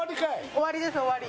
終わりです終わり。